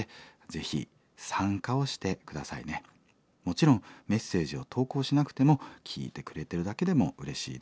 もちろんメッセージを投稿しなくても聴いてくれてるだけでもうれしいです。